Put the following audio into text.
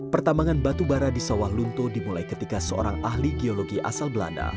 pertambangan batu bara di sawah lunto dimulai ketika seorang ahli geologi asal belanda